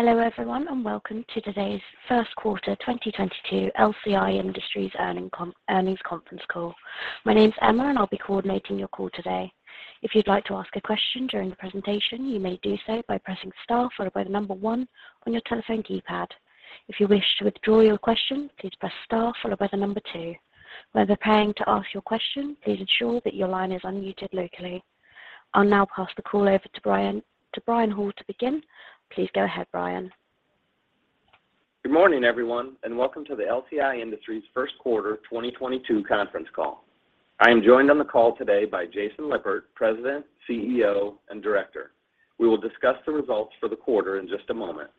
Hello, everyone, and welcome to today's first quarter 2022 LCI Industries earnings conference call. My name's Emma, and I'll be coordinating your call today. If you'd like to ask a question during the presentation, you may do so by pressing star followed by the number one on your telephone keypad. If you wish to withdraw your question, please press star followed by the number two. When preparing to ask your question, please ensure that your line is unmuted locally. I'll now pass the call over to Brian Hall to begin. Please go ahead, Brian. Good morning, everyone, and welcome to the LCI Industries first quarter 2022 conference call. I am joined on the call today by Jason Lippert, President, CEO, and Director. We will discuss the results for the quarter in just a moment.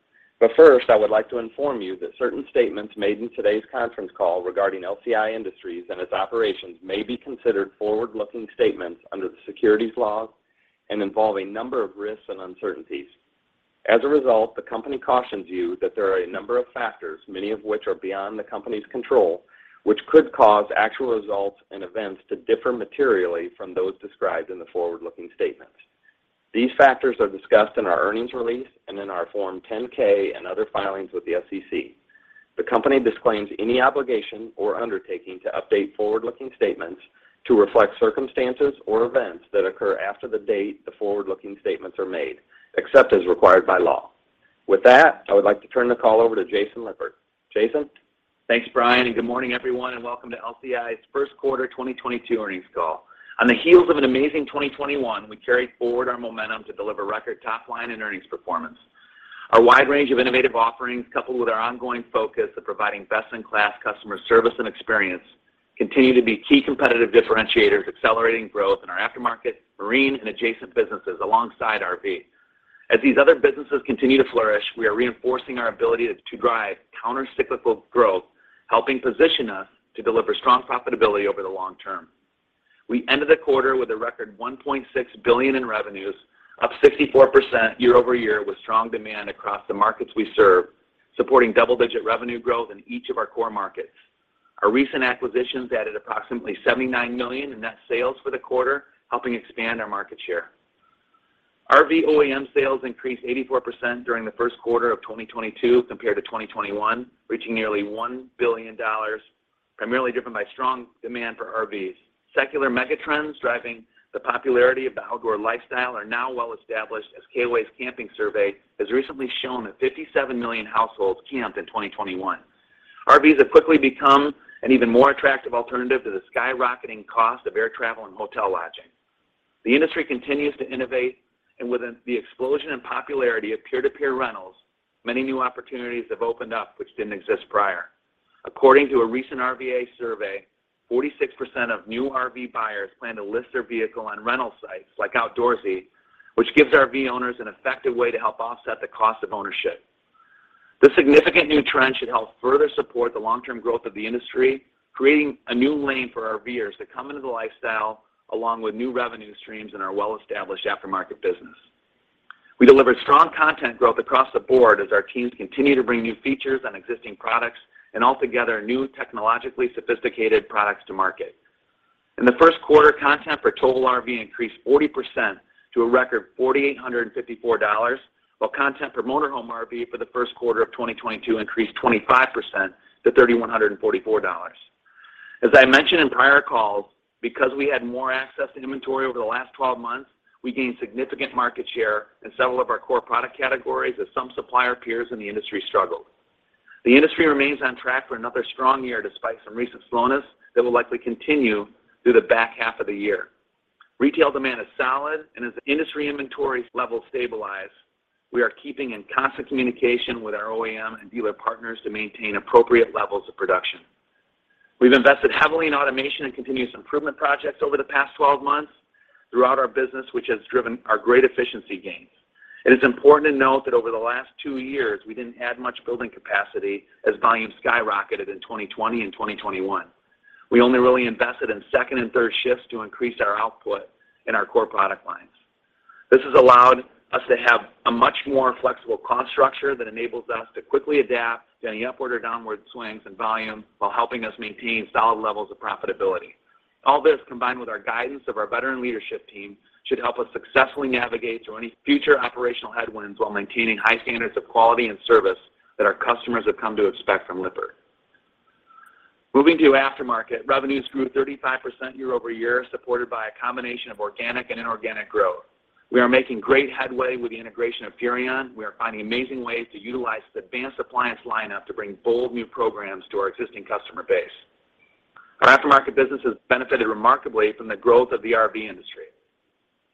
First, I would like to inform you that certain statements made in today's conference call regarding LCI Industries and its operations may be considered forward-looking statements under the securities laws and involve a number of risks and uncertainties. As a result, the company cautions you that there are a number of factors, many of which are beyond the company's control, which could cause actual results and events to differ materially from those described in the forward-looking statements. These factors are discussed in our earnings release and in our Form 10-K and other filings with the SEC. The company disclaims any obligation or undertaking to update forward-looking statements to reflect circumstances or events that occur after the date the forward-looking statements are made, except as required by law. With that, I would like to turn the call over to Jason Lippert. Jason? Thanks, Brian, and good morning, everyone, and welcome to LCI's first quarter 2022 earnings call. On the heels of an amazing 2021, we carried forward our momentum to deliver record top line and earnings performance. Our wide range of innovative offerings, coupled with our ongoing focus of providing best-in-class customer service and experience, continue to be key competitive differentiators, accelerating growth in our aftermarket, marine, and adjacent businesses alongside RV. As these other businesses continue to flourish, we are reinforcing our ability to drive countercyclical growth, helping position us to deliver strong profitability over the long term. We ended the quarter with a record $1.6 billion in revenues, up 64% year-over-year with strong demand across the markets we serve, supporting double-digit revenue growth in each of our core markets. Our recent acquisitions added approximately $79 million in net sales for the quarter, helping expand our market share. RV OEM sales increased 84% during the first quarter of 2022 compared to 2021, reaching nearly $1 billion, primarily driven by strong demand for RVs. Secular megatrends driving the popularity of the outdoor lifestyle are now well established as KOA's camping survey has recently shown that 57 million households camped in 2021. RVs have quickly become an even more attractive alternative to the skyrocketing cost of air travel and hotel lodging. The industry continues to innovate, and with the explosion in popularity of peer-to-peer rentals, many new opportunities have opened up which didn't exist prior. According to a recent RVIA survey, 46% of new RV buyers plan to list their vehicle on rental sites like Outdoorsy, which gives RV owners an effective way to help offset the cost of ownership. This significant new trend should help further support the long-term growth of the industry, creating a new lane for RVers to come into the lifestyle along with new revenue streams in our well-established aftermarket business. We delivered strong content growth across the board as our teams continue to bring new features on existing products and altogether new technologically sophisticated products to market. In the first quarter, content for towable RV increased 40% to a record $4,854, while content for motorhome RV for the first quarter of 2022 increased 25% to $3,144. As I mentioned in prior calls, because we had more access to inventory over the last 12 months, we gained significant market share in several of our core product categories as some supplier peers in the industry struggled. The industry remains on track for another strong year despite some recent slowness that will likely continue through the back half of the year. Retail demand is solid, and as industry inventory levels stabilize, we are keeping in constant communication with our OEM and dealer partners to maintain appropriate levels of production. We've invested heavily in automation and continuous improvement projects over the past 12 months throughout our business, which has driven our great efficiency gains. It is important to note that over the last two years, we didn't add much building capacity as volumes skyrocketed in 2020 and 2021. We only really invested in second and third shifts to increase our output in our core product lines. This has allowed us to have a much more flexible cost structure that enables us to quickly adapt to any upward or downward swings in volume while helping us maintain solid levels of profitability. All this, combined with our guidance of our veteran leadership team, should help us successfully navigate through any future operational headwinds while maintaining high standards of quality and service that our customers have come to expect from Lippert. Moving to aftermarket, revenues grew 35% year-over-year, supported by a combination of organic and inorganic growth. We are making great headway with the integration of Furrion. We are finding amazing ways to utilize the advanced appliance lineup to bring bold new programs to our existing customer base. Our aftermarket business has benefited remarkably from the growth of the RV industry.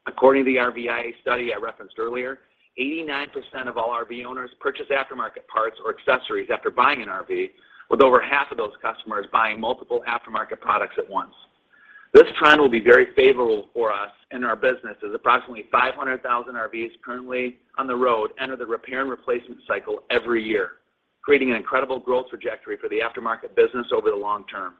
According to the RVIA study I referenced earlier, 89% of all RV owners purchase aftermarket parts or accessories after buying an RV, with over half of those customers buying multiple aftermarket products at once. This trend will be very favorable for us and our business as approximately 500,000 RVs currently on the road enter the repair and replacement cycle every year, creating an incredible growth trajectory for the aftermarket business over the long term.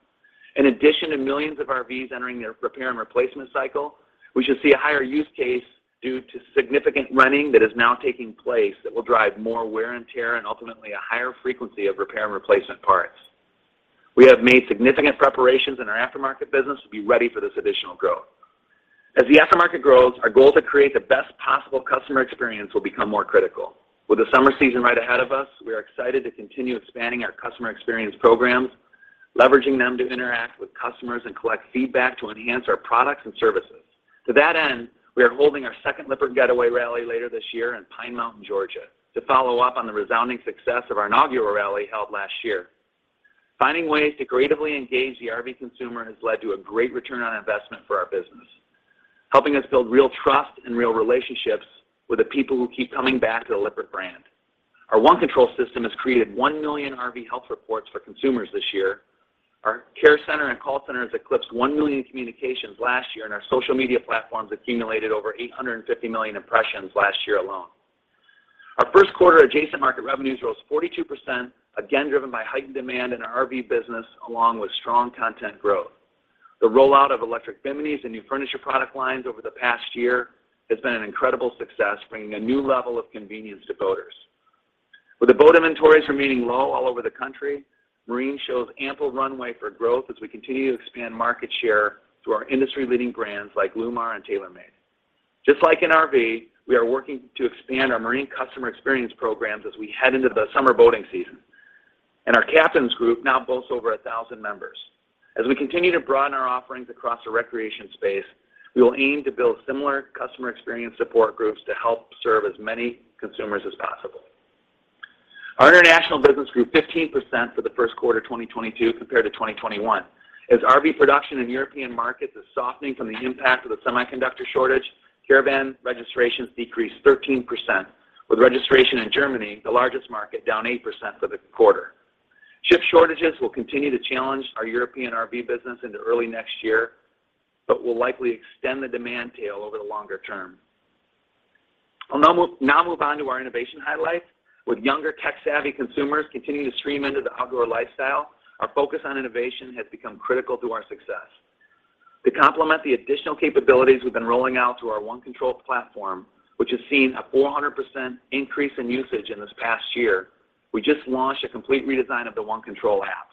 In addition to millions of RVs entering their repair and replacement cycle, we should see a higher use case due to significant renting that is now taking place that will drive more wear and tear and ultimately a higher frequency of repair and replacement parts. We have made significant preparations in our aftermarket business to be ready for this additional growth. As the aftermarket grows, our goal to create the best possible customer experience will become more critical. With the summer season right ahead of us, we are excited to continue expanding our customer experience programs, leveraging them to interact with customers and collect feedback to enhance our products and services. To that end, we are holding our second Lippert Getaway Rally later this year in Pine Mountain, Georgia, to follow up on the resounding success of our inaugural rally held last year. Finding ways to creatively engage the RV consumer has led to a great return on investment for our business, helping us build real trust and real relationships with the people who keep coming back to the Lippert brand. Our OneControl system has created 1 million RV health reports for consumers this year. Our care center and call center has eclipsed 1 million communications last year, and our social media platforms accumulated over 850 million impressions last year alone. Our first quarter adjacent market revenues rose 42%, again, driven by heightened demand in our RV business, along with strong content growth. The rollout of electric biminis and new furniture product lines over the past year has been an incredible success, bringing a new level of convenience to boaters. With the boat inventories remaining low all over the country, marine shows ample runway for growth as we continue to expand market share through our industry-leading brands like Lewmar and Taylor Made. Just like in RV, we are working to expand our marine customer experience programs as we head into the summer boating season, and our Captains' Group now boasts over 1,000 members. As we continue to broaden our offerings across the recreation space, we will aim to build similar customer experience support groups to help serve as many consumers as possible. Our international business grew 15% for the first quarter of 2022 compared to 2021. As RV production in European markets is softening from the impact of the semiconductor shortage, caravan registrations decreased 13%, with registration in Germany, the largest market, down 8% for the quarter. Chip shortages will continue to challenge our European RV business into early next year but will likely extend the demand tail over the longer term. I'll now move on to our innovation highlights. With younger tech-savvy consumers continuing to stream into the outdoor lifestyle, our focus on innovation has become critical to our success. To complement the additional capabilities we've been rolling out to our OneControl platform, which has seen a 400% increase in usage in this past year, we just launched a complete redesign of the OneControl app.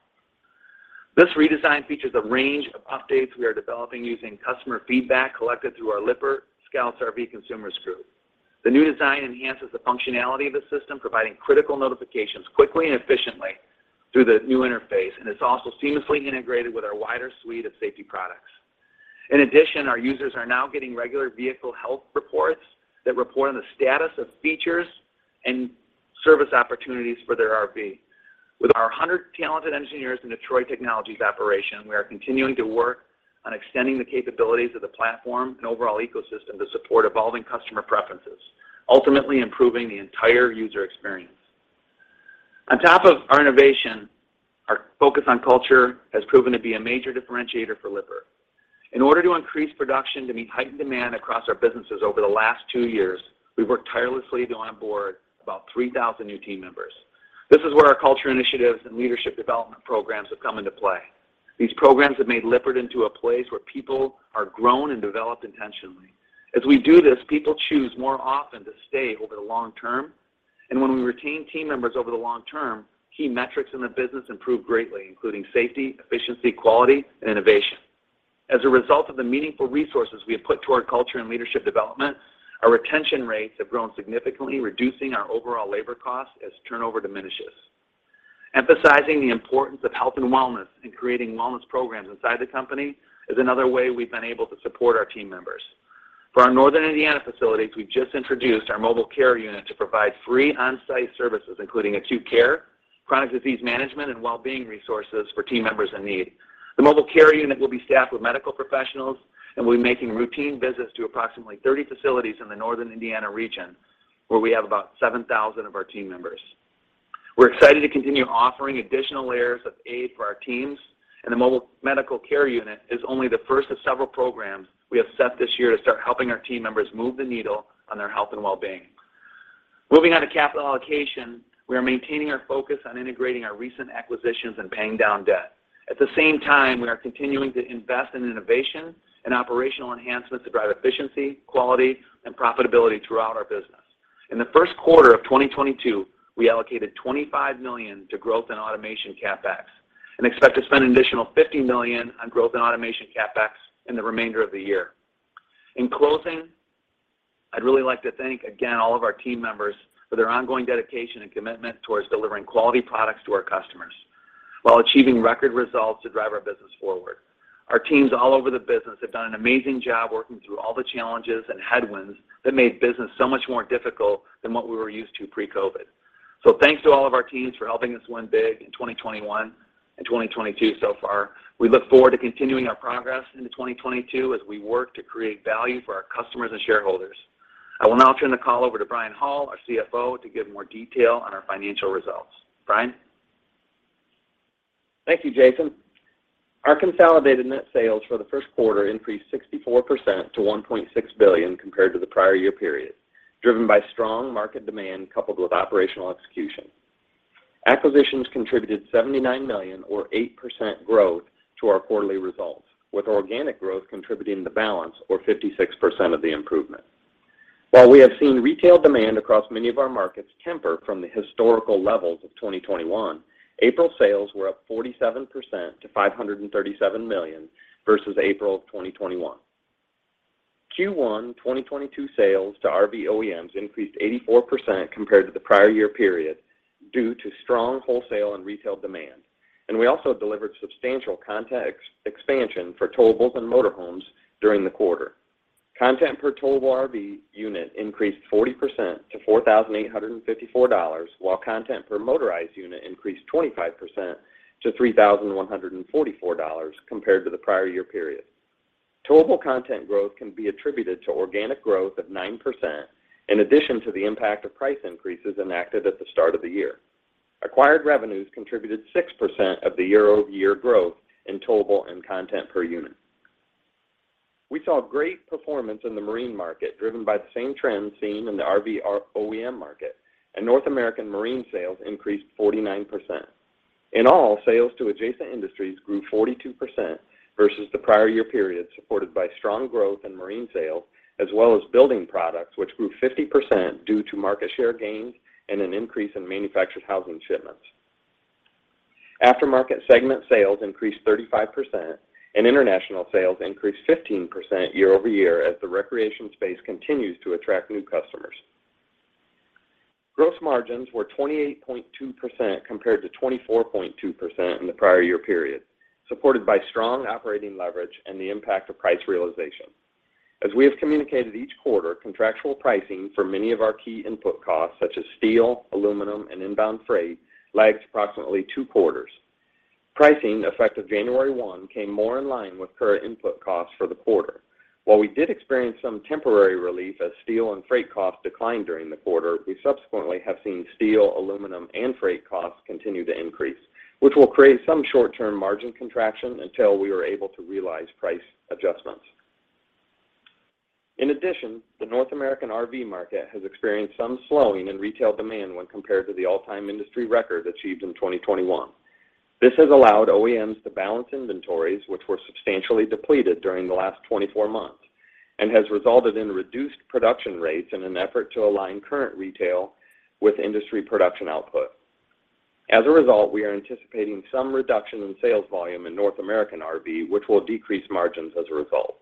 This redesign features a range of updates we are developing using customer feedback collected through our Lippert Scouts. The new design enhances the functionality of the system, providing critical notifications quickly and efficiently through the new interface, and it's also seamlessly integrated with our wider suite of safety products. In addition, our users are now getting regular vehicle health reports that report on the status of features and service opportunities for their RV. With our 100 talented engineers in Lippert Technologies operation, we are continuing to work on extending the capabilities of the platform and overall ecosystem to support evolving customer preferences, ultimately improving the entire user experience. On top of our innovation, our focus on culture has proven to be a major differentiator for Lippert. In order to increase production to meet heightened demand across our businesses over the last two years, we've worked tirelessly to onboard about 3,000 new team members. This is where our culture initiatives and leadership development programs have come into play. These programs have made Lippert into a place where people are grown and developed intentionally. As we do this, people choose more often to stay over the long term, and when we retain team members over the long term, key metrics in the business improve greatly, including safety, efficiency, quality, and innovation. As a result of the meaningful resources we have put toward culture and leadership development, our retention rates have grown significantly, reducing our overall labor costs as turnover diminishes. Emphasizing the importance of health and wellness and creating wellness programs inside the company is another way we've been able to support our team members. For our northern Indiana facilities, we've just introduced our mobile care unit to provide free on-site services, including acute care, chronic disease management, and wellbeing resources for team members in need. The mobile care unit will be staffed with medical professionals and will be making routine visits to approximately 30 facilities in the northern Indiana region, where we have about 7,000 of our team members. We're excited to continue offering additional layers of aid for our teams, and the mobile medical care unit is only the first of several programs we have set this year to start helping our team members move the needle on their health and wellbeing. Moving on to capital allocation, we are maintaining our focus on integrating our recent acquisitions and paying down debt. At the same time, we are continuing to invest in innovation and operational enhancements to drive efficiency, quality, and profitability throughout our business. In the first quarter of 2022, we allocated $25 million to growth and automation CapEx and expect to spend an additional $50 million on growth and automation CapEx in the remainder of the year. In closing, I'd really like to thank again all of our team members for their ongoing dedication and commitment towards delivering quality products to our customers while achieving record results to drive our business forward. Our teams all over the business have done an amazing job working through all the challenges and headwinds that made business so much more difficult than what we were used to pre-COVID. Thanks to all of our teams for helping us win big in 2021 and 2022 so far. We look forward to continuing our progress into 2022 as we work to create value for our customers and shareholders. I will now turn the call over to Brian Hall, our CFO, to give more detail on our financial results. Brian? Thank you, Jason. Our consolidated net sales for the first quarter increased 64% to $1.6 billion compared to the prior year period, driven by strong market demand coupled with operational execution. Acquisitions contributed $79 million or 8% growth to our quarterly results, with organic growth contributing the balance or 56% of the improvement. While we have seen retail demand across many of our markets temper from the historical levels of 2021, April sales were up 47% to $537 million versus April of 2021. Q1 2022 sales to RV OEMs increased 84% compared to the prior year period due to strong wholesale and retail demand. We also delivered substantial content expansion for towables and motor homes during the quarter. Content per towable RV unit increased 40% to $4,854, while content per motorized unit increased 25% to $3,144 compared to the prior year period. Towable content growth can be attributed to organic growth of 9% in addition to the impact of price increases enacted at the start of the year. Acquired revenues contributed 6% of the year-over-year growth in towable and content per unit. We saw great performance in the marine market, driven by the same trends seen in the RV OEM market, and North American marine sales increased 49%. In all, sales to adjacent industries grew 42% versus the prior year period, supported by strong growth in marine sales as well as building products, which grew 50% due to market share gains and an increase in manufactured housing shipments. Aftermarket segment sales increased 35%, and international sales increased 15% year-over-year as the recreation space continues to attract new customers. Gross margins were 28.2% compared to 24.2% in the prior year period, supported by strong operating leverage and the impact of price realization. As we have communicated each quarter, contractual pricing for many of our key input costs, such as steel, aluminum, and inbound freight, lags approximately two quarters. Pricing effective January 1 came more in line with current input costs for the quarter. While we did experience some temporary relief as steel and freight costs declined during the quarter, we subsequently have seen steel, aluminum, and freight costs continue to increase, which will create some short-term margin contraction until we are able to realize price adjustments. In addition, the North American RV market has experienced some slowing in retail demand when compared to the all-time industry record achieved in 2021. This has allowed OEMs to balance inventories, which were substantially depleted during the last 24 months, and has resulted in reduced production rates in an effort to align current retail with industry production output. As a result, we are anticipating some reduction in sales volume in North American RV, which will decrease margins as a result.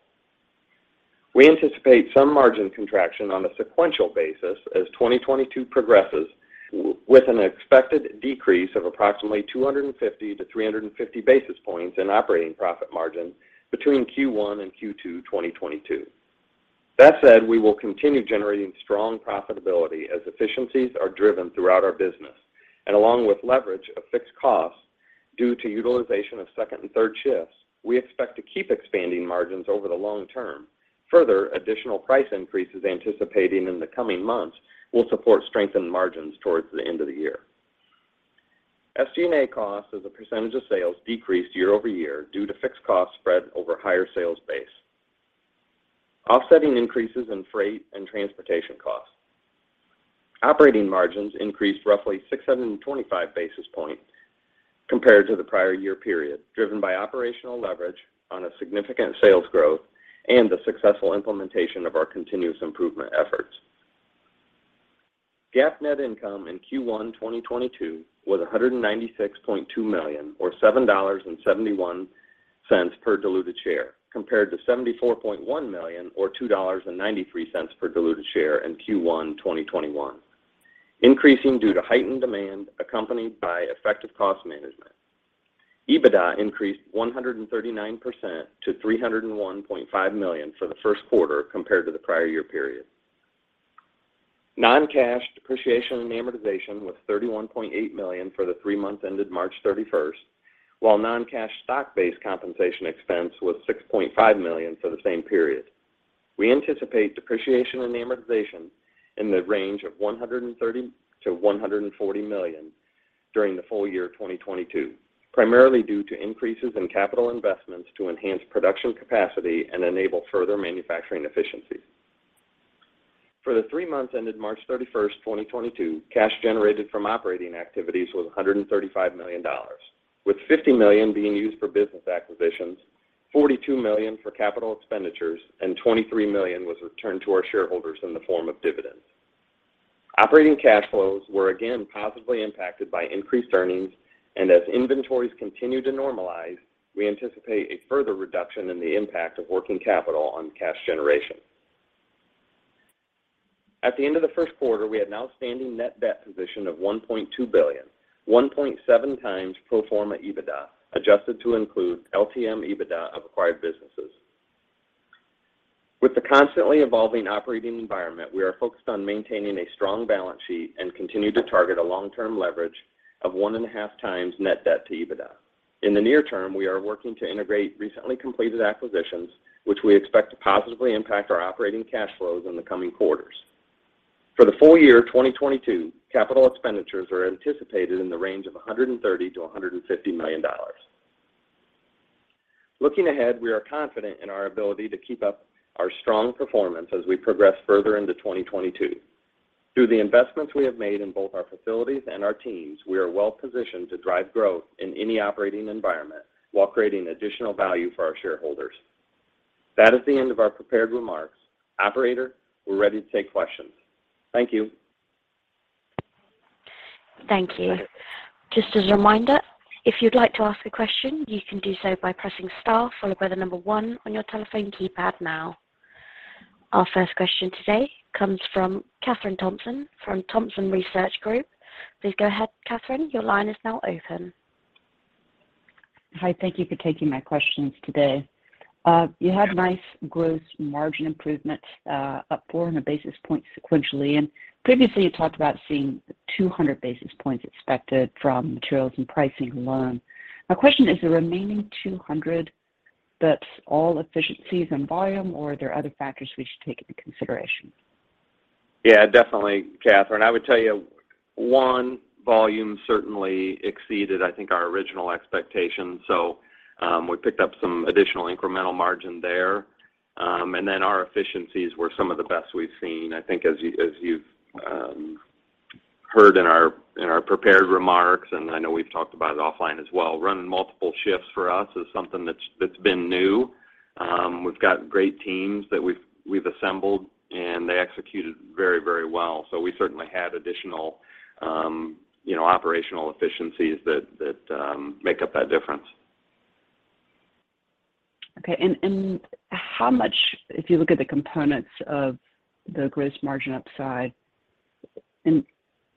We anticipate some margin contraction on a sequential basis as 2022 progresses with an expected decrease of approximately 250-350 basis points in operating profit margin between Q1 and Q2 2022. That said, we will continue generating strong profitability as efficiencies are driven throughout our business, and along with leverage of fixed costs due to utilization of second and third shifts, we expect to keep expanding margins over the long term. Further, additional price increases anticipating in the coming months will support strengthened margins towards the end of the year. SG&A costs as a percentage of sales decreased year over year due to fixed costs spread over higher sales base, offsetting increases in freight and transportation costs. Operating margins increased roughly 625 basis points compared to the prior year period, driven by operational leverage on a significant sales growth and the successful implementation of our continuous improvement efforts. GAAP net income in Q1 2022 was $196.2 million, or $7.71 per diluted share, compared to $74.1 million, or $2.93 per diluted share in Q1 2021. Increasing due to heightened demand accompanied by effective cost management. EBITDA increased 139% to $301.5 million for the first quarter compared to the prior year period. Non-cash depreciation and amortization was $31.8 million for the three months ended March 31, while non-cash stock-based compensation expense was $6.5 million for the same period. We anticipate depreciation and amortization in the range of $130 million-$140 million during the full year of 2022, primarily due to increases in capital investments to enhance production capacity and enable further manufacturing efficiencies. For the three months ended March 31st, 2022, cash generated from operating activities was $135 million, with $50 million being used for business acquisitions, $42 million for capital expenditures, and $23 million was returned to our shareholders in the form of dividends. Operating cash flows were again positively impacted by increased earnings, and as inventories continue to normalize, we anticipate a further reduction in the impact of working capital on cash generation. At the end of the first quarter, we had an outstanding net debt position of $1.2 billion, 1.7x pro forma EBITDA, adjusted to include LTM EBITDA of acquired businesses. With the constantly evolving operating environment, we are focused on maintaining a strong balance sheet and continue to target a long-term leverage of 1.5x net debt to EBITDA. In the near term, we are working to integrate recently completed acquisitions, which we expect to positively impact our operating cash flows in the coming quarters. For the full year 2022, capital expenditures are anticipated in the range of $130 million-$150 million. Looking ahead, we are confident in our ability to keep up our strong performance as we progress further into 2022. Through the investments we have made in both our facilities and our teams, we are well positioned to drive growth in any operating environment while creating additional value for our shareholders. That is the end of our prepared remarks. Operator, we're ready to take questions. Thank you. Thank you. Just as a reminder, if you'd like to ask a question, you can do so by pressing star followed by the number one on your telephone keypad now. Our first question today comes from Kathryn Thompson from Thompson Research Group. Please go ahead, Kathryn. Your line is now open. Hi. Thank you for taking my questions today. You had nice gross margin improvement, up 400 basis points sequentially. Previously, you talked about seeing 200 basis points expected from materials and pricing alone. My question is, the remaining 200, that's all efficiencies and volume, or are there other factors we should take into consideration? Yeah, definitely, Kathryn. I would tell you, one, volume certainly exceeded, I think, our original expectations, so we picked up some additional incremental margin there. Our efficiencies were some of the best we've seen. I think as you've heard in our prepared remarks, and I know we've talked about it offline as well, running multiple shifts for us is something that's been new. We've got great teams that we've assembled, and they executed very, very well. We certainly had additional, you know, operational efficiencies that make up that difference. Okay. How much, if you look at the components of the gross margin upside and,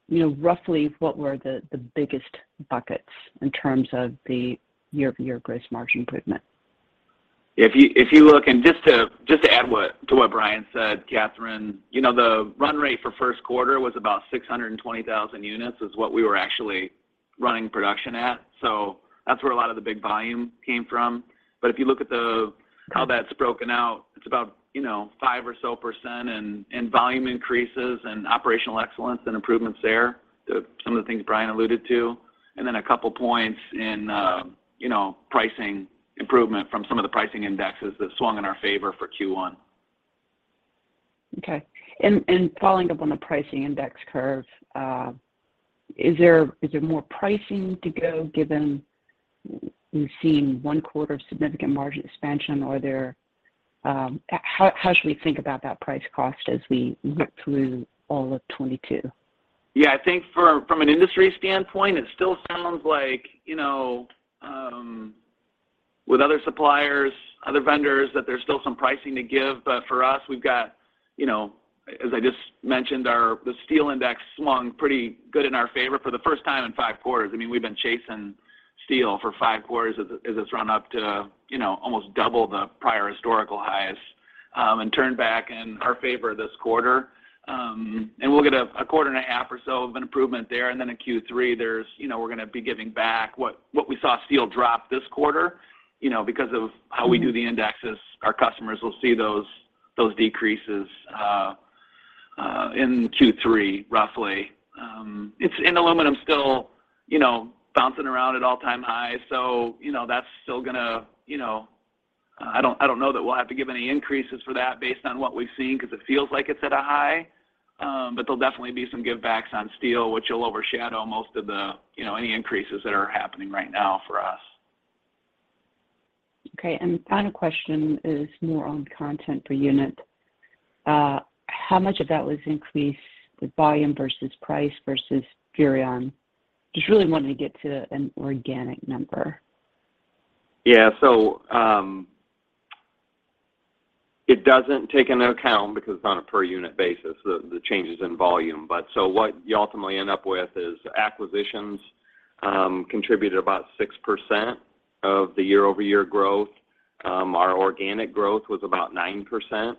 you know, roughly what were the biggest buckets in terms of the year-over-year gross margin improvement? If you look, just to add to what Brian said, Kathryn, you know, the run rate for first quarter was about 620,000 units is what we were actually running production at. So that's where a lot of the big volume came from. But if you look at the how that's broken out, it's about, you know, 5% or so in volume increases and operational excellence and improvements there. Some of the things Brian alluded to, and then a couple points in pricing improvement from some of the pricing indexes that swung in our favor for Q1. Okay. Following up on the pricing index curve, is there more pricing to go given we've seen one quarter of significant margin expansion? Or, how should we think about that price cost as we work through all of 2022? Yeah. I think from an industry standpoint, it still sounds like, you know, with other suppliers, other vendors, that there's still some pricing to give. For us, we've got, you know, as I just mentioned, the steel index swung pretty good in our favor for the first time in five quarters. I mean, we've been chasing steel for five quarters as it's run up to, you know, almost double the prior historical highs, and turned back in our favor this quarter. And we'll get a quarter and a half or so of an improvement there, and then in Q3, there's, you know, we're gonna be giving back what we saw steel drop this quarter, you know, because of how we do the indexes. Our customers will see those decreases in Q3, roughly. Aluminum still, you know, bouncing around at all-time highs. That's still gonna, you know. I don't know that we'll have to give any increases for that based on what we've seen, 'cause it feels like it's at a high. There'll definitely be some give backs on steel, which will overshadow most of the, you know, any increases that are happening right now for us. Okay. Final question is more on content per unit. How much of that was increased with volume versus price versus Furrion? Just really wanting to get to an organic number. Yeah. It doesn't take into account, because it's on a per unit basis, the changes in volume. What you ultimately end up with is acquisitions contributed about 6% of the year-over-year growth. Our organic growth was about 9%,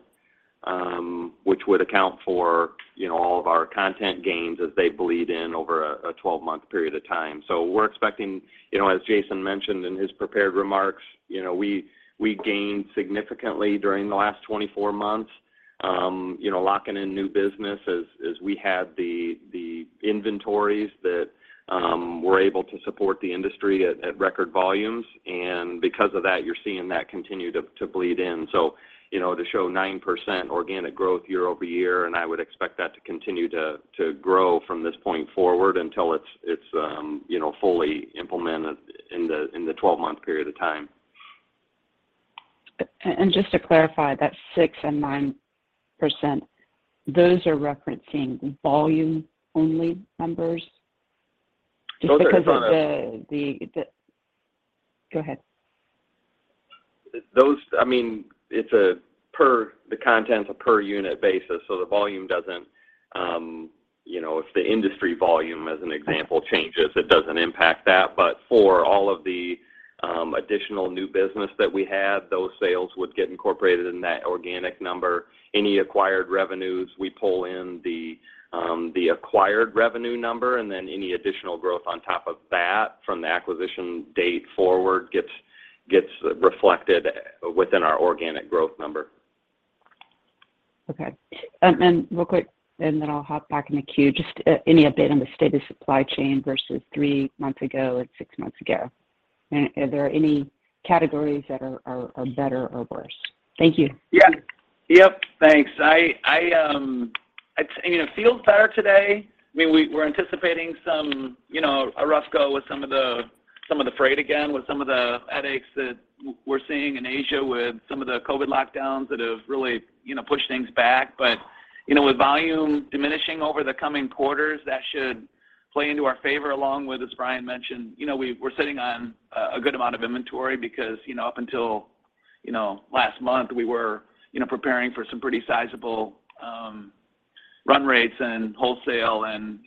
which would account for, you know, all of our content gains as they bleed in over a 12-month period of time. We're expecting, you know, as Jason mentioned in his prepared remarks, you know, we gained significantly during the last 24 months, you know, locking in new business as we had the inventories that were able to support the industry at record volumes. Because of that, you're seeing that continue to bleed in. You know, to show 9% organic growth year-over-year, and I would expect that to continue to grow from this point forward until it's you know, fully implemented in the 12-month period of time. Just to clarify, that 6% and 9%, those are referencing volume only numbers? Just because of the- Those are kind of. Go ahead. I mean, it's a per unit basis, so the volume doesn't, you know, if the industry volume, as an example, changes, it doesn't impact that. But for all of the additional new business that we had, those sales would get incorporated in that organic number. Any acquired revenues, we pull in the acquired revenue number, and then any additional growth on top of that from the acquisition date forward gets reflected within our organic growth number. Okay. Real quick, and then I'll hop back in the queue. Just any update on the state of supply chain versus three months ago and six months ago? Are there any categories that are better or worse? Thank you. Yeah. Yep, thanks. You know, feels better today. I mean, we're anticipating some, you know, a rough go with some of the freight again with some of the headaches that we're seeing in Asia with some of the COVID lockdowns that have really, you know, pushed things back. With volume diminishing over the coming quarters, that should play into our favor along with, as Brian mentioned, you know, we're sitting on a good amount of inventory because, you know, up until, you know, last month, we were, you know, preparing for some pretty sizable run rates and wholesale and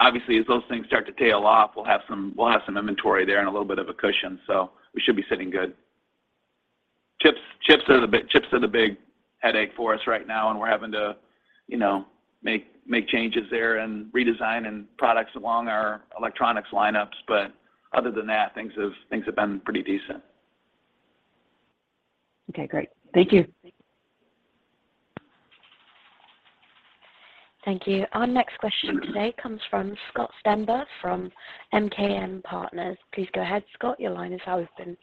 obviously as those things start to tail off, we'll have some inventory there and a little bit of a cushion. We should be sitting good. Chips are the big headache for us right now, and we're having to, you know, make changes there and redesign products along our electronics lineups. But other than that, things have been pretty decent. Okay, great. Thank you. Thank you. Our next question today comes from Scott Stember from MKM Partners. Please go ahead, Scott. Your line is open.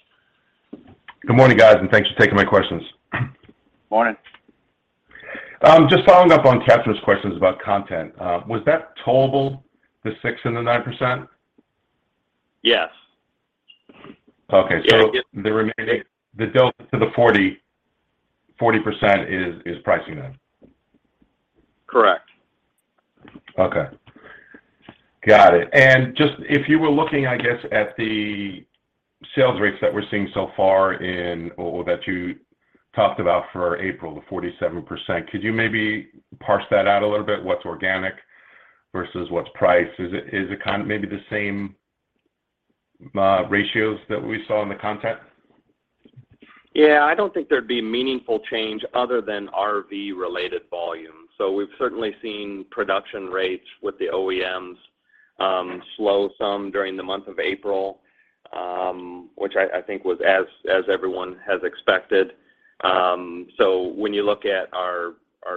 Good morning, guys, and thanks for taking my questions. Morning. Just following up on Kathryn's questions about content. Was that total, the 6% and the 9%? Yes. Okay. Yeah. The remaining delta to the 40% is pricing then? Correct. Okay. Got it. Just if you were looking, I guess, at the sales rates that we're seeing so far in or that you talked about for April, the 47%, could you maybe parse that out a little bit, what's organic versus what's price? Is it kind of maybe the same ratios that we saw in the content? Yeah. I don't think there'd be meaningful change other than RV-related volume. We've certainly seen production rates with the OEMs slow some during the month of April, which I think was as everyone has expected. When you look at our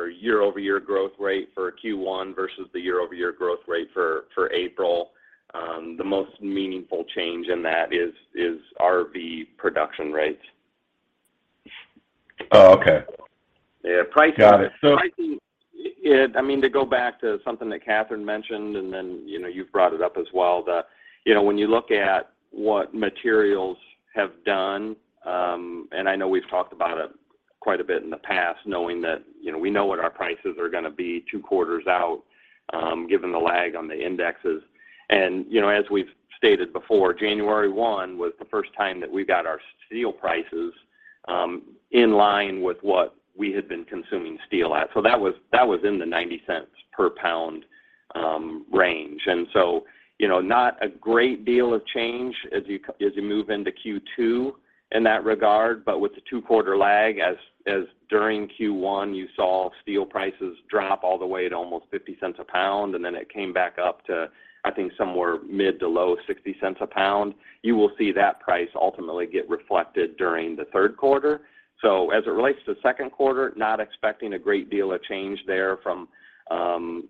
year-over-year growth rate for Q1 versus the year-over-year growth rate for April, the most meaningful change in that is RV production rates. Oh, okay. Yeah. Pricing. Got it. Pricing. Yeah. I mean, to go back to something that Kathryn mentioned, and then, you know, you've brought it up as well, the, you know, when you look at what materials have done, and I know we've talked about it quite a bit in the past, knowing that, you know, we know what our prices are gonna be two quarters out, given the lag on the indexes. You know, as we've stated before, January 1 was the first time that we got our steel prices in line with what we had been consuming steel at. That was in the $0.90 per pound range. You know, not a great deal of change as you move into Q2 in that regard. With the two-quarter lag, as during Q1 you saw steel prices drop all the way to almost $0.50 a pound, and then it came back up to, I think, somewhere mid- to low $0.60 a pound. You will see that price ultimately get reflected during the third quarter. As it relates to second quarter, not expecting a great deal of change there from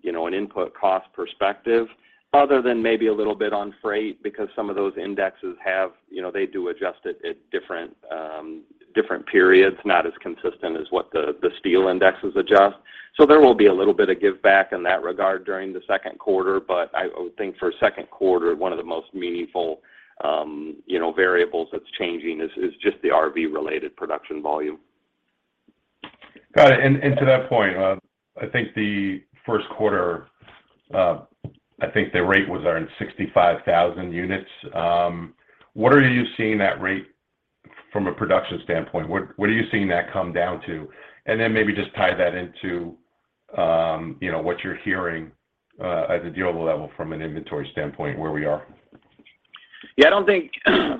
you know an input cost perspective other than maybe a little bit on freight because some of those indexes have you know they do adjust it at different different periods, not as consistent as what the the steel indexes adjust. There will be a little bit of giveback in that regard during the second quarter. I would think for second quarter, one of the most meaningful, you know, variables that's changing is just the RV-related production volume. Got it. To that point, I think the first quarter, I think the rate was around 65,000 units. What are you seeing that rate from a production standpoint? What are you seeing that come down to? Then maybe just tie that into, you know, what you're hearing at the dealer level from an inventory standpoint, where we are. Yeah, I don't think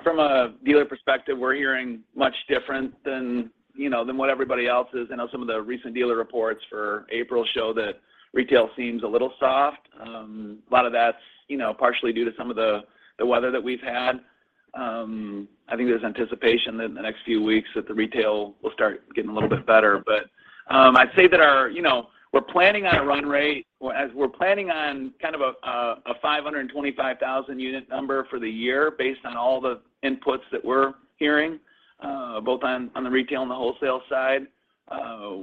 from a dealer perspective, we're hearing much different than, you know, than what everybody else is. I know some of the recent dealer reports for April show that retail seems a little soft. A lot of that's, you know, partially due to some of the weather that we've had. I think there's anticipation in the next few weeks that the retail will start getting a little bit better. I'd say that our, you know, we're planning on kind of a 525,000 unit number for the year based on all the inputs that we're hearing, both on the retail and the wholesale side,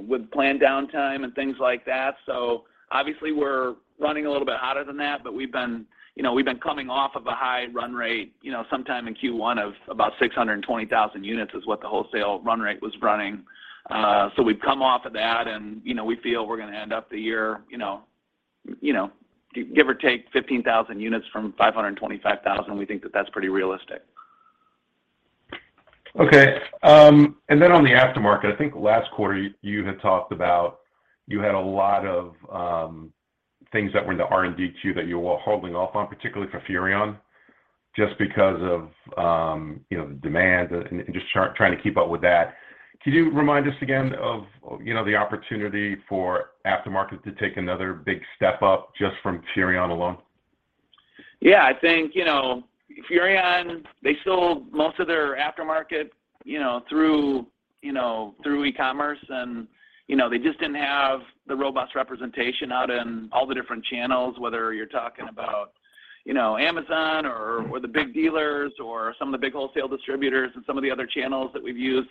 with planned downtime and things like that. Obviously, we're running a little bit hotter than that, but we've been, you know, we've been coming off of a high run rate, you know, sometime in Q1 of about 620,000 units is what the wholesale run rate was running. We've come off of that and, you know, we feel we're gonna end up the year, you know, give or take 15,000 units from 525,000. We think that that's pretty realistic. Okay. On the aftermarket, I think last quarter you had talked about you had a lot of things that were in the R&D queue that you were holding off on, particularly for Furrion, just because of you know, the demand and just trying to keep up with that. Could you remind us again of you know, the opportunity for aftermarket to take another big step up just from Furrion alone? Yeah. I think, you know, Furrion, they sold most of their aftermarket, you know, through. You know, through e-commerce and, you know, they just didn't have the robust representation out in all the different channels, whether you're talking about, you know, Amazon or the big dealers or some of the big wholesale distributors and some of the other channels that we've used.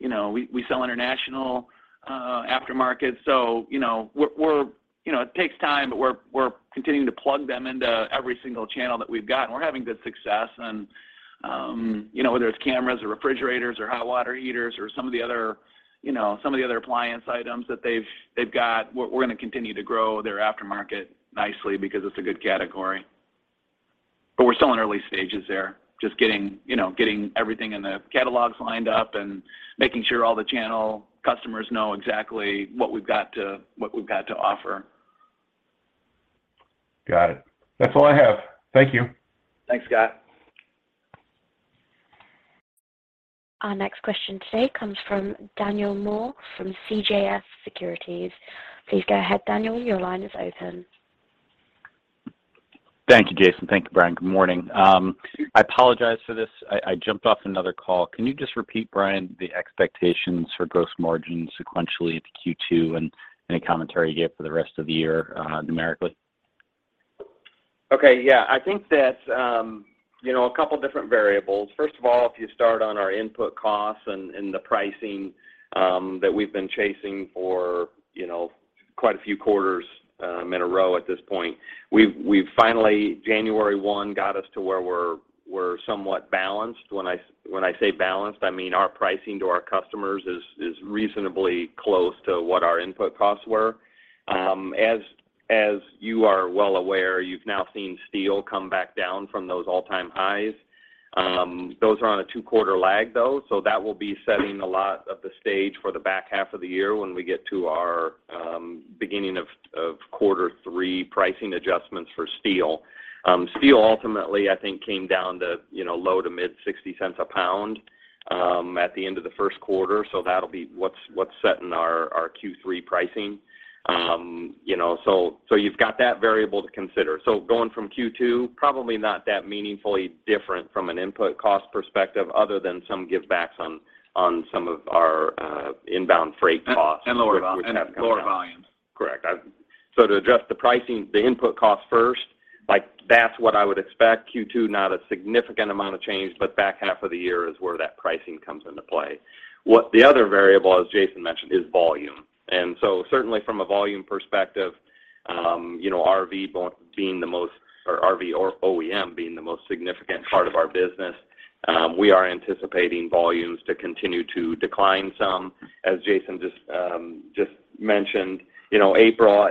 You know, we sell international aftermarket. You know, it takes time, but we're continuing to plug them into every single channel that we've got, and we're having good success. You know, whether it's cameras or refrigerators or hot water heaters or some of the other appliance items that they've got, we're gonna continue to grow their aftermarket nicely because it's a good category. We're still in early stages there. Just getting, you know, getting everything in the catalogs lined up and making sure all the channel customers know exactly what we've got to offer. Got it. That's all I have. Thank you. Thanks, Scott. Our next question today comes from Daniel Moore from CJS Securities. Please go ahead, Daniel. Your line is open. Thank you, Jason. Thank you, Brian. Good morning. I apologize for this. I jumped off another call. Can you just repeat, Brian, the expectations for gross margin sequentially to Q2 and any commentary you give for the rest of the year, numerically? Okay. Yeah. I think that, you know, a couple different variables. First of all, if you start on our input costs and the pricing that we've been chasing for, you know, quite a few quarters in a row at this point, we've finally, January 1 got us to where we're somewhat balanced. When I say balanced, I mean our pricing to our customers is reasonably close to what our input costs were. As you are well aware, you've now seen steel come back down from those all-time highs. Those are on a two-quarter lag though, so that will be setting a lot of the stage for the back half of the year when we get to our beginning of quarter three pricing adjustments for steel. Steel ultimately I think came down to, you know, low- to mid-$0.60 a pound at the end of the first quarter. That'll be what's setting our Q3 pricing. You know, you've got that variable to consider. Going from Q2, probably not that meaningfully different from an input cost perspective other than some givebacks on some of our inbound freight costs. And lower vo- Which have come down. Lower volumes. Correct. To address the pricing, the input cost first, like that's what I would expect. Q2, not a significant amount of change, but back half of the year is where that pricing comes into play. What the other variable, as Jason mentioned, is volume. Certainly from a volume perspective, you know, RV or OEM being the most significant part of our business, we are anticipating volumes to continue to decline some. As Jason just mentioned, you know, April,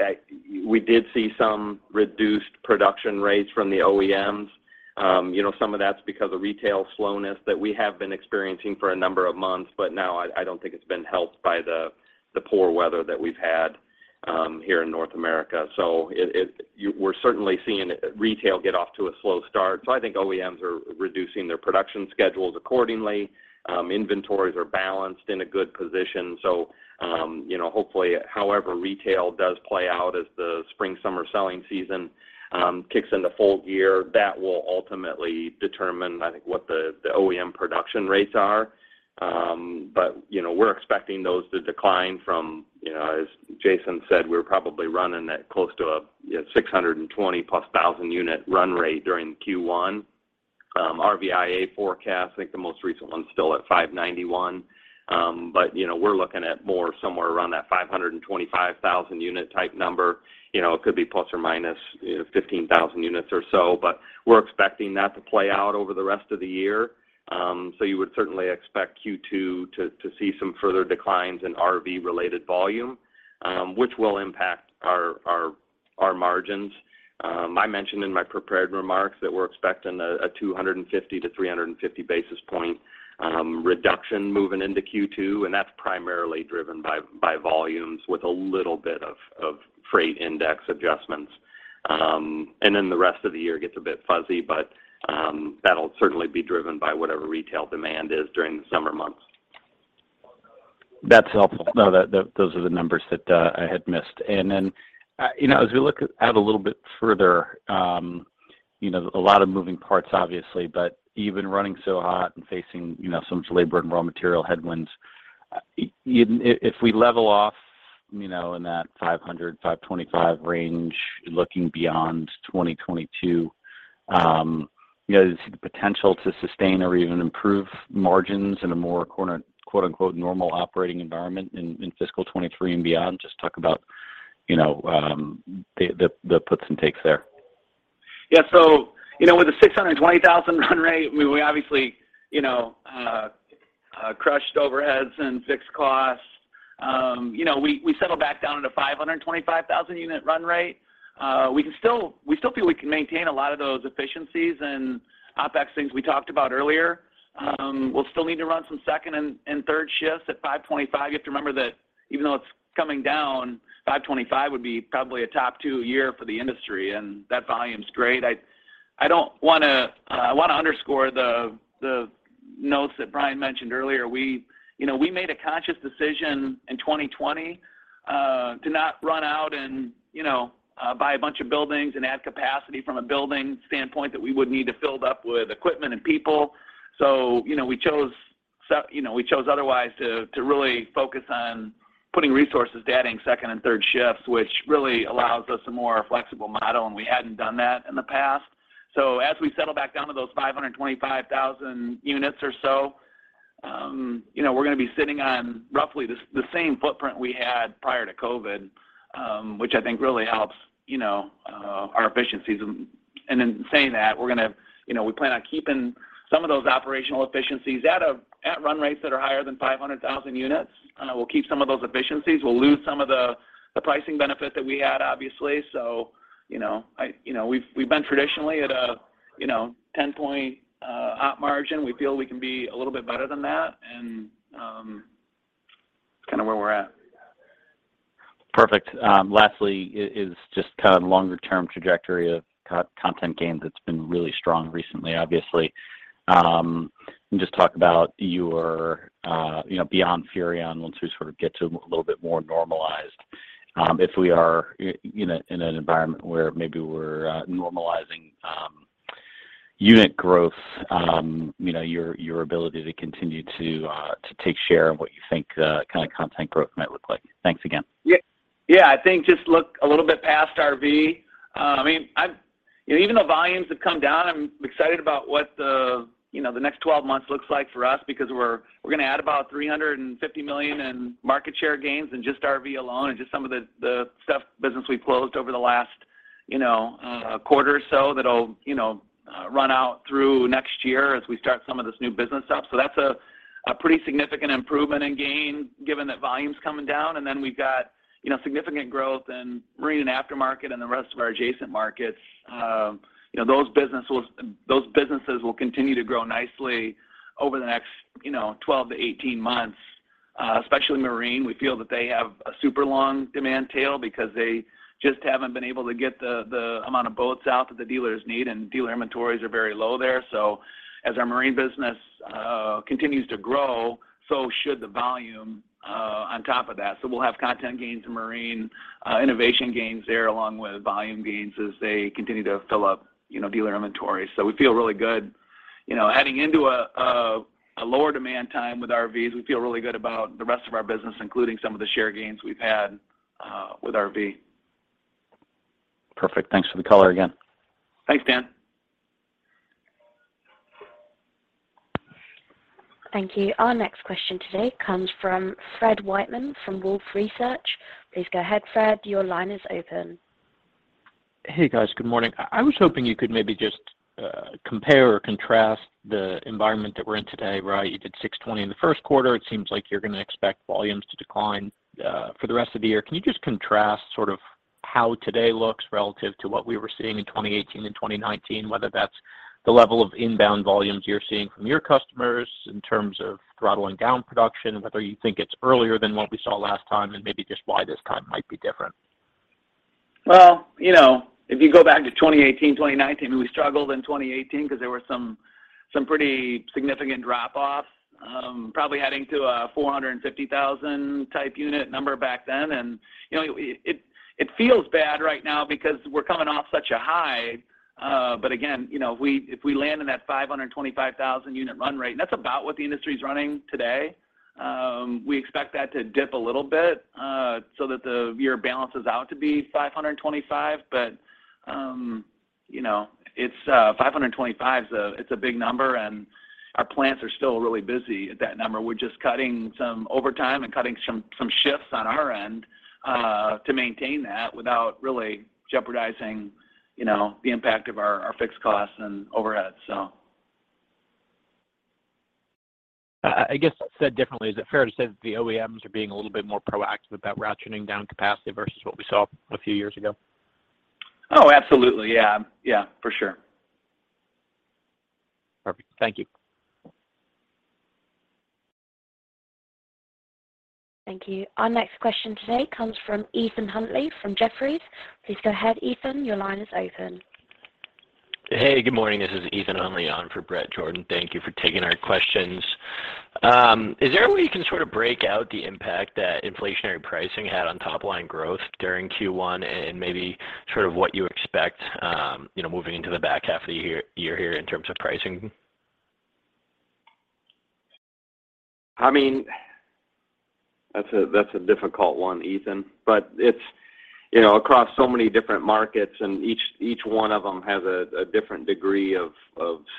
we did see some reduced production rates from the OEMs. You know, some of that's because of retail slowness that we have been experiencing for a number of months. Now I don't think it's been helped by the poor weather that we've had here in North America. We're certainly seeing retail get off to a slow start. I think OEMs are reducing their production schedules accordingly. Inventories are balanced in a good position. Hopefully, however retail does play out as the spring, summer selling season kicks into full gear, that will ultimately determine, I think, what the OEM production rates are. We're expecting those to decline from, as Jason said, we're probably running at close to 620+ thousand unit run rate during Q1. RVIA forecast, I think the most recent one's still at 591. We're looking at more somewhere around that 525,000 unit type number. It could be ±15,000 units or so. We're expecting that to play out over the rest of the year. You would certainly expect Q2 to see some further declines in RV-related volume, which will impact our margins. I mentioned in my prepared remarks that we're expecting a 250-350 basis point reduction moving into Q2, and that's primarily driven by volumes with a little bit of freight index adjustments. The rest of the year gets a bit fuzzy, but that'll certainly be driven by whatever retail demand is during the summer months. That's helpful. No, those are the numbers that I had missed. Then, you know, as we look out a little bit further, you know, a lot of moving parts obviously, but even running so hot and facing, you know, some labor and raw material headwinds, if we level off, you know, in that 500-525 range looking beyond 2022, you know, the potential to sustain or even improve margins in a more quote, unquote, "normal operating environment" in fiscal 2023 and beyond, just talk about, you know, the puts and takes there. With the 620,000 run rate, we obviously crushed overheads and fixed costs. We settled back down at a 525,000 unit run rate. We still feel we can maintain a lot of those efficiencies and OpEx things we talked about earlier. We'll still need to run some second and third shifts at 525,000. You have to remember that even though it's coming down, 525,000 would be probably a top two year for the industry, and that volume's great. I want to underscore the notes that Brian mentioned earlier. We, you know, we made a conscious decision in 2020 to not run out and, you know, buy a bunch of buildings and add capacity from a building standpoint that we would need to fill up with equipment and people. You know, we chose otherwise to really focus on putting resources to adding second and third shifts, which really allows us a more flexible model, and we hadn't done that in the past. As we settle back down to those 525,000 units or so, you know, we're gonna be sitting on roughly the same footprint we had prior to COVID, which I think really helps, you know, our efficiencies. In saying that, we're gonna, you know, we plan on keeping some of those operational efficiencies at run rates that are higher than 500,000 units. We'll keep some of those efficiencies. We'll lose some of the pricing benefit that we had, obviously. You know, we've been traditionally at a, you know, 10-point op margin. We feel we can be a little bit better than that, and that's kind of where we're at. Perfect. Lastly, is just kind of longer term trajectory of content gains that's been really strong recently, obviously. Just talk about your, you know, beyond Furrion, once we sort of get to a little bit more normalized, if we are in a, in an environment where maybe we're normalizing, unit growth, you know, your ability to continue to take share and what you think the kind of content growth might look like. Thanks again. Yeah. Yeah, I think just look a little bit past RV. I mean, you know, even the volumes have come down. I'm excited about what, you know, the next 12 months looks like for us because we're gonna add about $350 million in market share gains in just RV alone and just some of the stuff business we closed over the last, you know, quarter or so that'll, you know, run out through next year as we start some of this new business up. So that's a pretty significant improvement and gain given that volume's coming down. Then we've got, you know, significant growth in marine and aftermarket and the rest of our adjacent markets. You know, those businesses will continue to grow nicely over the next, you know, 12-18 months. Especially marine. We feel that they have a super long demand tail because they just haven't been able to get the amount of boats out that the dealers need, and dealer inventories are very low there. As our marine business continues to grow, so should the volume on top of that. We'll have content gains in marine, innovation gains there, along with volume gains as they continue to fill up, you know, dealer inventory. We feel really good. You know, heading into a lower demand time with RVs, we feel really good about the rest of our business, including some of the share gains we've had with RV. Perfect. Thanks for the color again. Thanks, Dan. Thank you. Our next question today comes from Fred Wightman from Wolfe Research. Please go ahead, Fred. Your line is open. Hey, guys. Good morning. I was hoping you could maybe just compare or contrast the environment that we're in today, right? You did 620,000 in the first quarter. It seems like you're gonna expect volumes to decline for the rest of the year. Can you just contrast sort of how today looks relative to what we were seeing in 2018 and 2019, whether that's the level of inbound volumes you're seeing from your customers in terms of throttling down production, whether you think it's earlier than what we saw last time, and maybe just why this time might be different? Well, you know, if you go back to 2018, 2019, we struggled in 2018 'cause there were some pretty significant drop-offs, probably heading to a 450,000 type unit number back then. You know, it feels bad right now because we're coming off such a high. Again, you know, if we land in that 525,000 unit run rate, and that's about what the industry is running today, we expect that to dip a little bit, so that the year balances out to be 525,000. You know, it's 525,000 is a big number, and our plants are still really busy at that number. We're just cutting some overtime and cutting some shifts on our end to maintain that without really jeopardizing, you know, the impact of our fixed costs and overheads, so. I guess said differently, is it fair to say that the OEMs are being a little bit more proactive about ratcheting down capacity versus what we saw a few years ago? Oh, absolutely. Yeah. Yeah, for sure. Perfect. Thank you. Thank you. Our next question today comes from Ethan Huntley from Jefferies. Please go ahead, Ethan. Your line is open. Hey, good morning. This is Ethan Huntley on for Bret Jordan. Thank you for taking our questions. Is there a way you can sort of break out the impact that inflationary pricing had on top line growth during Q1 and maybe sort of what you expect, you know, moving into the back half of the year here in terms of pricing? I mean, that's a difficult one, Ethan. It's you know across so many different markets, and each one of them has a different degree of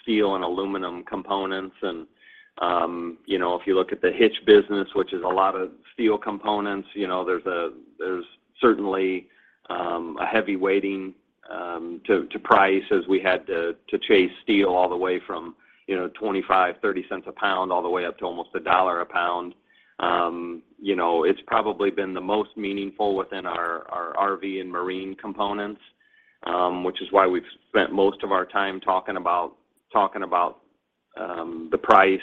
steel and aluminum components. You know if you look at the hitch business, which is a lot of steel components, you know there's certainly a heavy weighting to price as we had to chase steel all the way from you know $0.25-$0.30 a pound all the way up to almost $1 a pound. You know it's probably been the most meaningful within our RV and marine components, which is why we've spent most of our time talking about the price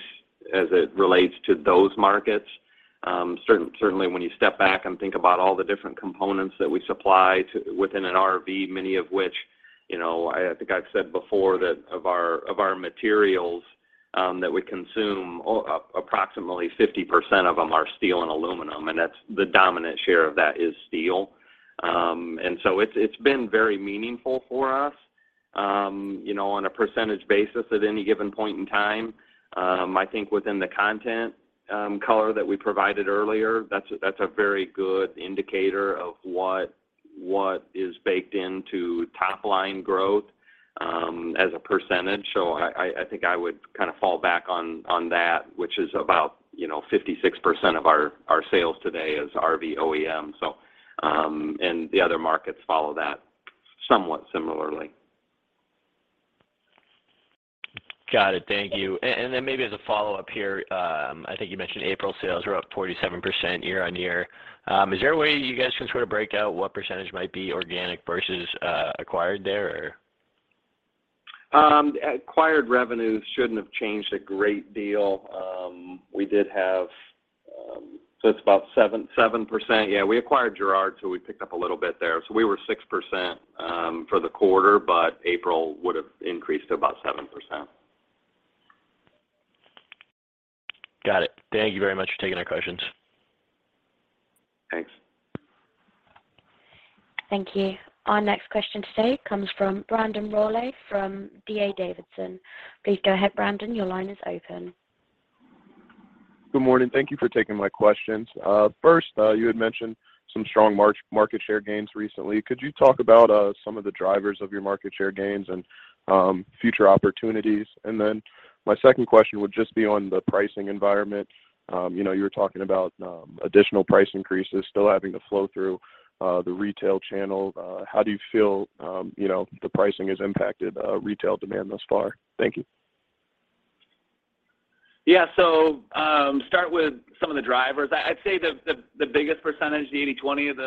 as it relates to those markets. Certainly, when you step back and think about all the different components that we supply within an RV, many of which, you know, I think I've said before that of our materials that we consume or approximately 50% of them are steel and aluminum, and that's the dominant share of that is steel. It's been very meaningful for us, you know, on a percentage basis at any given point in time. I think within the context color that we provided earlier, that's a very good indicator of what is baked into top-line growth, as a percentage. I think I would kind of fall back on that, which is about, you know, 56% of our sales today is RV OEM. The other markets follow that somewhat similarly. Got it. Thank you. Maybe as a follow-up here, I think you mentioned April sales are up 47% year-over-year. Is there a way you guys can sort of break out what percentage might be organic versus acquired there or? Acquired revenues shouldn't have changed a great deal. It's about 7%. Yeah, we acquired Girard, so we picked up a little bit there. We were 6% for the quarter, but April would have increased to about 7%. Got it. Thank you very much for taking our questions. Thanks. Thank you. Our next question today comes from Brandon Rollé from D.A. Davidson. Please go ahead, Brandon. Your line is open. Good morning. Thank you for taking my questions. First, you had mentioned some strong market share gains recently. Could you talk about some of the drivers of your market share gains and future opportunities? Then my second question would just be on the pricing environment. You know, you were talking about additional price increases still having to flow through the retail channel. How do you feel, you know, the pricing has impacted retail demand thus far? Thank you. Yeah. Start with some of the drivers. I'd say the biggest percentage, the 80/20 of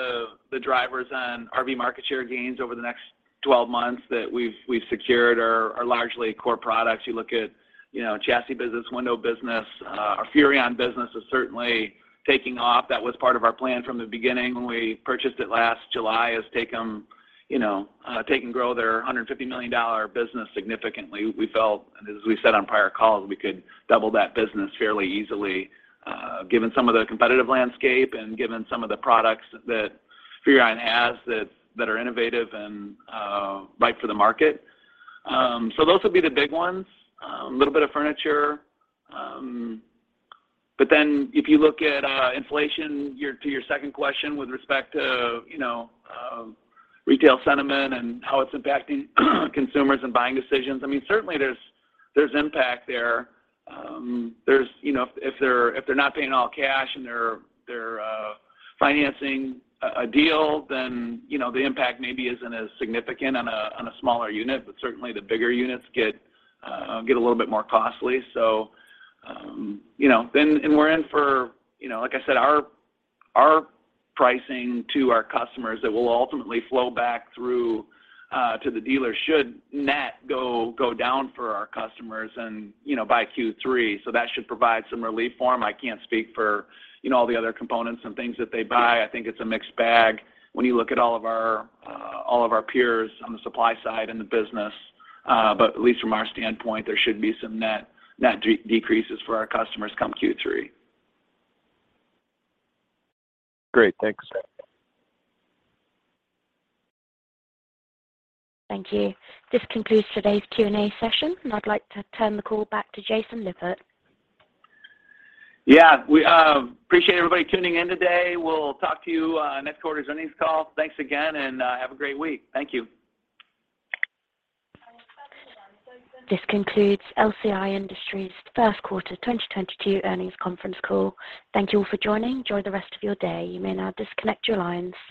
the drivers on RV market share gains over the next 12 months that we've secured are largely core products. You look at, you know, chassis business, window business. Our Furrion business is certainly taking off. That was part of our plan from the beginning when we purchased it last July, has taken you know take and grow their $150 million business significantly. We felt as we said on prior calls, we could double that business fairly easily, given some of the competitive landscape and given some of the products that Furrion has that are innovative and right for the market. Those would be the big ones. A little bit of furniture. If you look at inflation to your second question with respect to you know retail sentiment and how it's impacting consumers and buying decisions, I mean certainly there's impact there. There's you know if they're not paying all cash and they're financing a deal then you know the impact maybe isn't as significant on a smaller unit but certainly the bigger units get a little bit more costly. You know and we're in for you know like I said our pricing to our customers that will ultimately flow back through to the dealer should net go down for our customers and you know by Q3. That should provide some relief for them. I can't speak for, you know, all the other components and things that they buy. I think it's a mixed bag when you look at all of our peers on the supply side in the business. At least from our standpoint, there should be some net decreases for our customers come Q3. Great. Thanks. Thank you. This concludes today's Q&A session, and I'd like to turn the call back to Jason Lippert. Yeah. We appreciate everybody tuning in today. We'll talk to you on next quarter's earnings call. Thanks again, and have a great week. Thank you. This concludes LCI Industries first quarter 2022 earnings conference call. Thank you all for joining. Enjoy the rest of your day. You may now disconnect your lines.